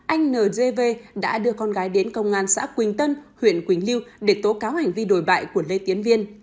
anh ndv đã đưa con gái đến công an xã quỳnh tân huyện quỳnh liêu để tố cáo hành vi đổi bại của lê tiến viên